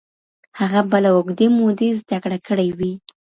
هغه به له اوږدې مودې زده کړه کړې وي.